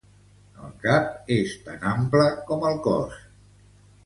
El cap és tan ample com el cos.